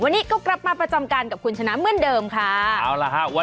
วันนี้ก็กลับมาประจำการกับคุณฉนามื้อนเดิมค่ะ